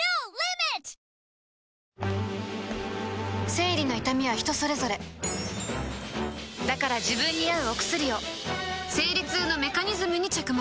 生理の痛みは人それぞれだから自分に合うお薬を生理痛のメカニズムに着目